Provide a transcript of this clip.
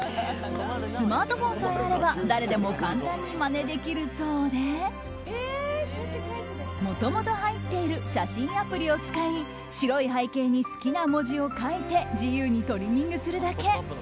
スマートフォンさえあれば誰でも簡単にまねできるそうでもともと入っている写真アプリを使い白い背景に好きな文字を書いて自由にトリミングするだけ。